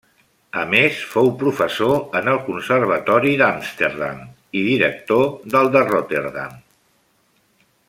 A més fou professor en el Conservatori d'Amsterdam i director del de Rotterdam.